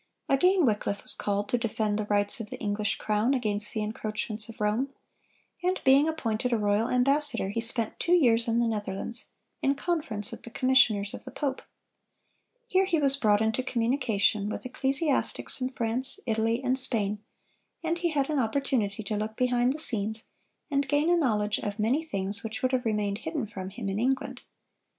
Again Wycliffe was called to defend the rights of the English crown against the encroachments of Rome; and being appointed a royal ambassador, he spent two years in the Netherlands, in conference with the commissioners of the pope. Here he was brought into communication with ecclesiastics from France, Italy, and Spain, and he had an opportunity to look behind the scenes, and gain a knowledge of many things which would have remained hidden from him in England.